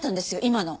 今の。